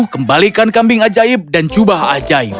kembalikan kambing ajaib dan jubah ajaib